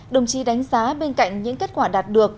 đồng chí đánh giá bên cạnh những kết quả đạt được